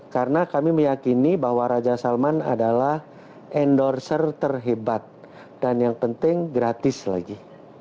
karena kami meyakini bahwa raja salman adalah endorser terhebat dan yang penting gratis lagi